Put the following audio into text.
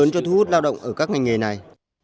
muốn cho thu hút lao động ở các ngành nghề này